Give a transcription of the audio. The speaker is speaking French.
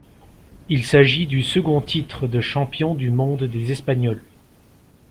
Il s'agit du second titre de champion du monde des Espagnols.